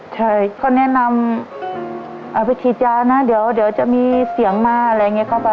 ใช่ก็แนะนำเอาไปฉีดยานะเดี๋ยวจะมีเสียงมาอะไรอย่างนี้เข้าไป